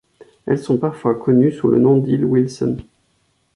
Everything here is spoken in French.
Elles sont parfois connues sous le nom d'îles Wilson.